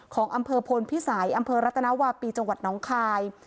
ของอำเภอพลพิสัยอำเภอรัตนวาปีจังหวัดน้องคาย